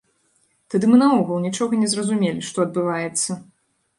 Тады мы наогул нічога не зразумелі, што адбываецца!